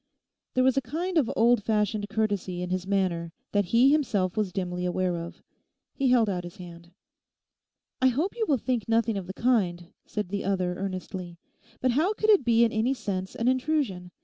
There was a kind of old fashioned courtesy in his manner that he himself was dimly aware of. He held out his hand. 'I hope you will think nothing of the kind,' said the other earnestly; 'how could it be in any sense an intrusion?